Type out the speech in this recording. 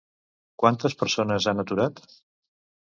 Quantes persones han aturat?